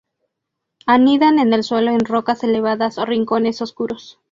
Anidan en el suelo en rocas elevadas o rincones oscuros.